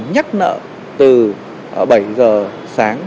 nhắc nợ từ bảy h sáng